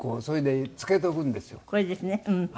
これですね？